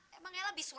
ya ke dalam yuk